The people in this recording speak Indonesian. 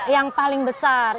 yang paling besar